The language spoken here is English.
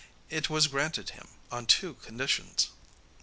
It was granted him on two conditions.